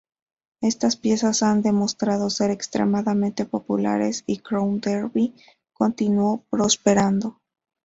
Estas piezas han demostrado ser extremadamente populares, y Crown Derby continuó prosperando.